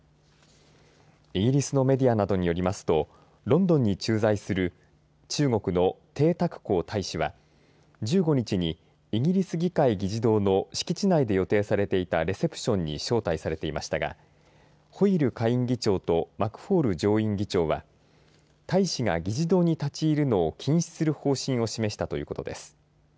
イギリスのメディアなどによりますとロンドンに駐在する中国の鄭沢光大使は１５日にイギリス議会議事堂の敷地内で予定されていたレセプションに招待されていましたがホイル下院議長とマクフォール上院議長は大使が議事堂に立ち入るのを禁止する方針を示したということです。